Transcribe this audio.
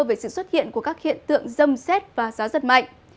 về sự xuất hiện của các hiện tượng dâm xét và gió giật mạnh